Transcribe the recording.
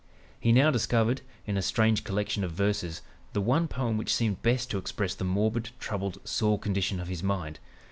He now discovered, in a strange collection of verses, the one poem which seemed best to express the morbid, troubled, sore condition of his mind